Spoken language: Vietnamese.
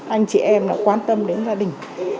anh chị em đã quan tâm đến gia đình